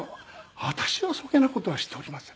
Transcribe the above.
「私はそげな事はしておりません」